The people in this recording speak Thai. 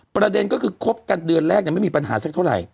ประเด็นก็คือคบกันเดือนแรกไม่มีปัญหาสักเท่าไหร่